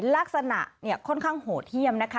ลักษณะเนี่ยค่อนข้างโหดเยี่ยมนะคะ